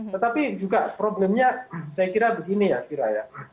tetapi juga problemnya saya kira begini ya fira